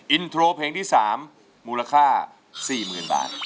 อินโทรเพลงที่สามมูลค่าสี่หมื่นบาท